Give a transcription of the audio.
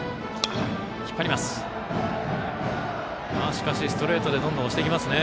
しかし、ストレートでどんどん押していきますね。